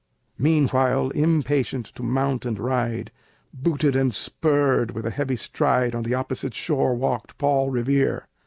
Meanwhile, impatient to mount and ride, Booted and spurred, with a heavy stride, On the opposite shore walked Paul Revere.